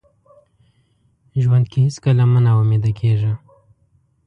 ژوند کې هیڅکله مه ناامیده کیږه.